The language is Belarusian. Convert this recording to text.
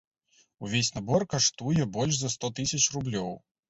Увесь набор каштуе больш за сто тысяч рублёў.